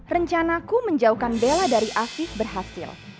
rencanaku menjauhkan bella dari afiq berhasil